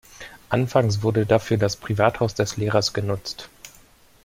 Anfangs wurde dafür das Privathaus des Lehrers genutzt.